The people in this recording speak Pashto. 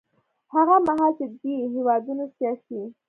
هغه مهال چې دې هېوادونو سیاسي